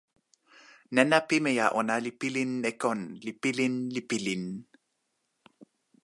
nena pimeja ona li pilin e kon, li pilin, li pilin.